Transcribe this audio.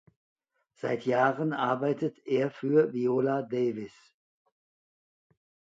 Seit Jahren arbeitet er für Viola Davis.